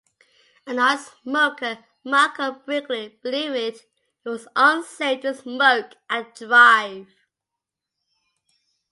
A non-smoker, Malcolm Bricklin believed it was unsafe to smoke and drive.